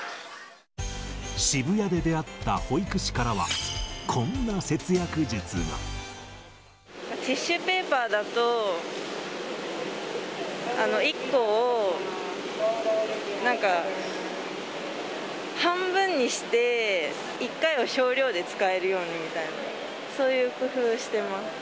渋谷で出会った保育士からは、こんな節約術が。ティッシュペーパーだと、１個を、なんか半分にして、１回を少量で使えるようにみたいな、そういう工夫してます。